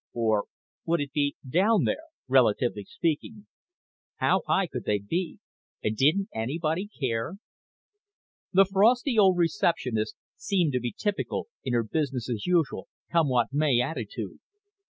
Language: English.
Or would it be down there, relatively speaking? How high could they be, and didn't anybody care? The frosty old receptionist seemed to be typical in her business as usual, come what may attitude.